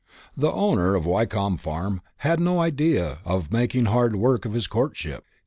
The owner of Wyncomb Farm had no idea of making hard work of his courtship.